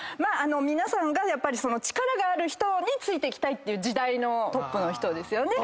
皆さん力がある人についていきたいっていう時代のトップの人ですよね。